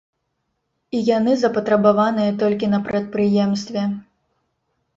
І яны запатрабаваныя толькі на прадпрыемстве.